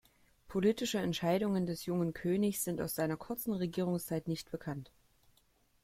Politische Entscheidungen des jungen Königs sind aus seiner kurzen Regierungszeit nicht bekannt.